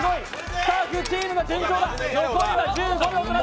スタッフチームが順調だ。